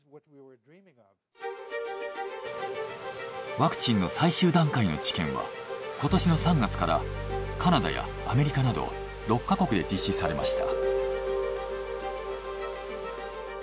ワクチンの最終段階の治験は今年の３月からカナダやアメリカなど６ヵ国で実施されました。